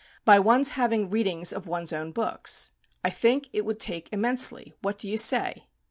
_) by one's having readings of one's own books. I think it would take immensely. What do you say?"